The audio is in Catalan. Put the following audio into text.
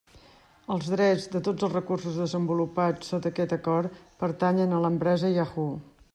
Els drets de tots els recursos desenvolupats sota aquest acord pertanyen a l'empresa Yahoo.